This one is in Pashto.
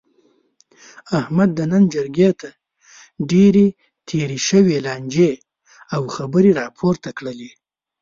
احمد د نن جرګې ته ډېرې تېرې شوې لانجې او خبرې را پورته کړلې.